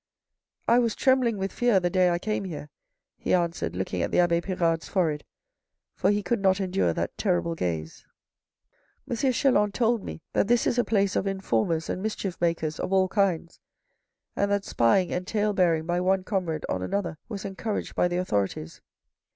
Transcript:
" I was trembling with fear the day I came here," he answered, looking at the abbe Pirard's forehead, for he could not endure that terrible gaze. " M. Chelan told me that this is a place of informers and mischief makers of all kinds, and that spying and tale bearing by one comrade on another was encouraged by the authorities.